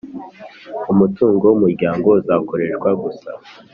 Umutungo w umuryango uzakoreshwa gusa